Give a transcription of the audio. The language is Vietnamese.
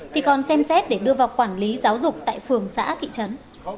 thì còn xem xét để đưa vào quản lý giáo dục tại phường xã thị trấn